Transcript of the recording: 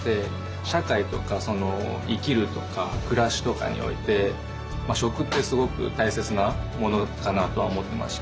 社会とか生きるとか暮らしとかにおいて「食」ってすごく大切なものかなとは思ってまして。